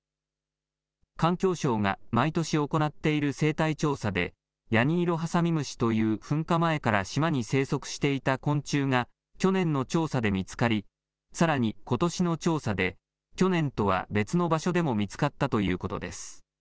環境省が毎年行っている生態調査で、ヤニイロハサミムシという噴火前から島に生息していた昆虫が去年の調査で見つかり、さらにことしの調査で去年とは別の場所でも見つかったということです。